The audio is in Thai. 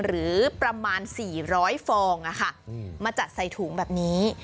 หรือประมาณ๔๐๐ฟองมาจัดใส่ถุงแบบนี้